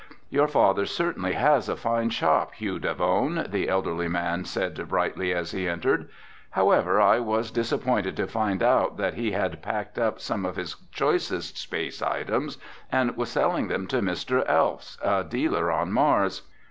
"Your father certainly has a fine shop, Hugh Davone," the elderly man said brightly as he entered. "However, I was disappointed to find out that he had packed up some of his choicest space items and was selling them to Mr. Elfs, a dealer on Mars."